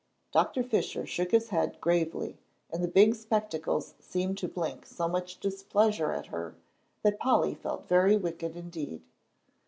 Doctor Fisher shook his head gravely, and the big spectacles seemed to blink so much displeasure at her, that Polly felt very wicked indeed.